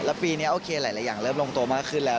แล้วปีนี้โอเคหลายอย่างเริ่มลงตัวมากขึ้นแล้ว